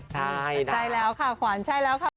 ใช่แล้วค่ะขวานใช่แล้วค่ะ